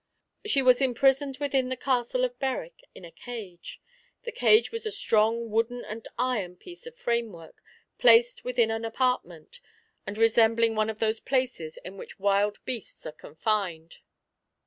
She was imprisoned within the Castle of Berwick, in a cage. The cage was a strong wooden and iron piece of frame work, placed within an apartment, and resembling one of those places in which wild beasts are confined.